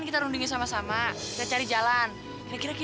kamu gak usah terima kasih